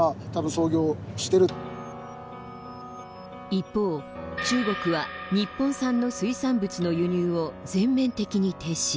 一方、中国は日本産の水産物の輸入を全面的に停止。